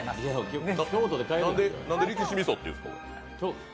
なんで力士味噌っていうんですか？